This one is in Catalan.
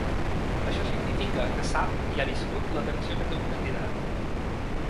Això significa que sap i ha viscut la tensió que té un candidat.